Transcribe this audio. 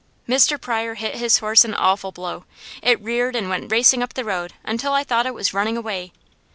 Mr. Pryor hit his horse an awful blow. It reared and went racing up the road until I thought it was running away.